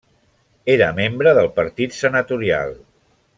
Era membre del partit senatorial.